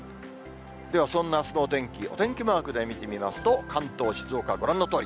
ではそんなあすのお天気、お天気マークで見てみますと、関東、静岡、ご覧のとおり。